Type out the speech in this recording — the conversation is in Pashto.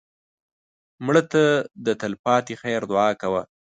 مړه ته د تل پاتې خیر دعا کوه